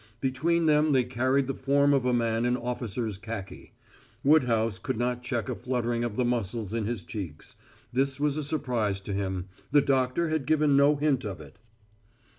Between them they carried the form of a man in officer's khaki. Woodhouse could not check a fluttering of the muscles in his cheeks; this was a surprise to him; the doctor had given no hint of it.